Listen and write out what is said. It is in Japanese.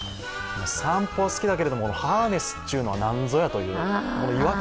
散歩は好きだけども、ハーネスというのは何ぞやと。